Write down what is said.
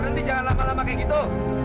berhenti jangan lama lama kayak gitu